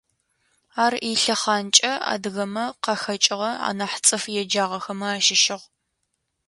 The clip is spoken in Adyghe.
Ар илъэхъанкӏэ адыгэмэ къахэкӏыгъэ анахь цӏыф еджагъэхэмэ ащыщыгъ.